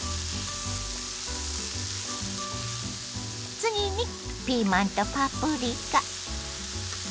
次にピーマンとパプリカ。